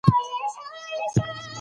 چې سبا نازنين تيار کړي چې پسې راځم.